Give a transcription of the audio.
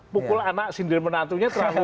pukul anak sindir menantunya terlalu